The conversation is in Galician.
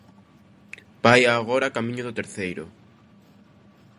Vai, agora, camiño do terceiro.